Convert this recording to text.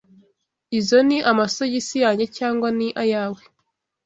Izi ni amasogisi yanjye cyangwa ni ayawe?